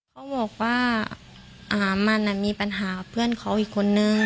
เขาบอกว่าอ่ามันอ่ะมีปัญหาเพื่อนเขาอีกคนนึง